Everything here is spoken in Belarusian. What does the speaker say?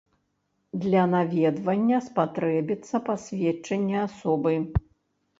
Для наведвання спатрэбіцца пасведчанне асобы.